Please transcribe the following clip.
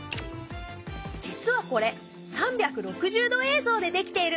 実はこれ３６０度映像で出来ているんだ。